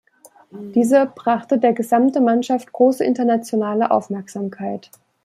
Diese brachte der gesamte Mannschaft große internationale Aufmerksamkeit.